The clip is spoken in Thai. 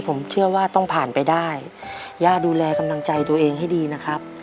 ผมเชื่อว่าต้องผ่านไปได้ย่าดูแลกำลังใจตัวเองให้ดีนะครับ